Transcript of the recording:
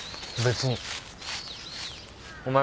別に。